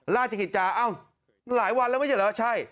ราชกิจจาเอ้าหลายวันแล้วไม่ใช่เหรอใช่